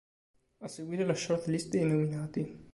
A seguire la "short-list" dei nominati.